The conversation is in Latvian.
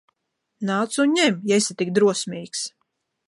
Nāc un ņem, ja esi tik drosmīgs!